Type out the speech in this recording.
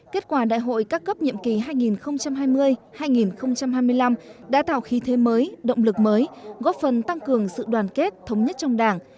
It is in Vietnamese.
kết quả đại hội các cấp nhiệm kỳ hai nghìn hai mươi hai nghìn hai mươi năm đã tạo khí thế mới động lực mới góp phần tăng cường sự đoàn kết thống nhất trong đảng